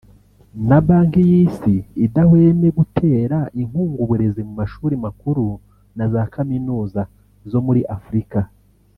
na Banki y’Isi idahweme gutera inkunga uburezi mu mashuri makuru na za kaminuza zo muri Afurika